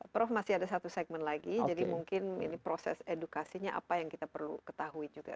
prof masih ada satu segmen lagi jadi mungkin ini proses edukasinya apa yang kita perlu ketahui juga